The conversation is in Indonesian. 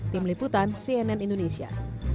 tim liputan cnn indonesia